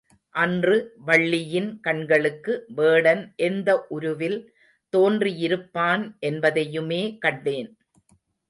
அன்று வள்ளியின் கண்களுக்கு வேடன் எந்த உருவில் தோன்றியிருப்பான் என்பதையுமே கண்டேன்.